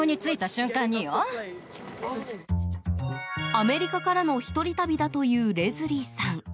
アメリカからの１人旅だというレズリーさん。